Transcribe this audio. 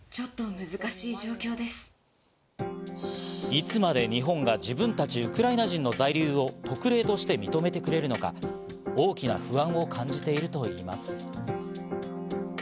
いつまで日本が自分たちウクライナ人の在留を特例として認めてくれるのか、大きな不安を感じているといいます。